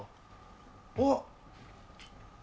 あっ。